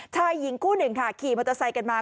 ชายหญิงคู่หนึ่งค่ะขี่มอเตอร์ไซค์กันมา